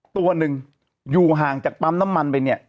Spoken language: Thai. ตัวหนึ่งอยู่ห่างจากปั๊มน้ำมันไปเนี่ย